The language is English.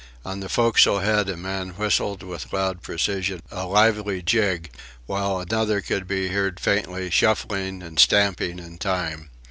On the forecastle head a man whistled with loud precision a lively jig, while another could be heard faintly, shuffling and stamping in time.